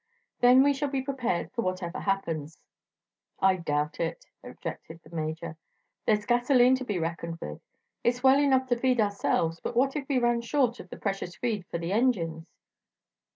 Then we shall be prepared for whatever happens." "I doubt it," objected the Major. "There's gasoline to be reckoned with. It's well enough to feed ourselves, but what if we ran short of the precious feed for the engines?"